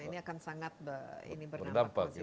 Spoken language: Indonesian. nah ini akan sangat ini berdampak positif